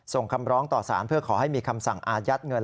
คำร้องต่อสารเพื่อขอให้มีคำสั่งอายัดเงิน